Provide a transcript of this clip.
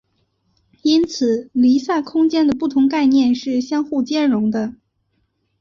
因此离散空间的不同概念是相互兼容的。